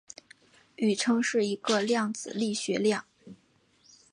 宇称是一个量子力学量。